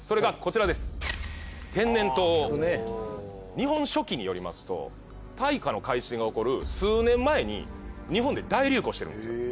日本書紀によりますと大化の改新が起こる数年前に日本で大流行してるんです。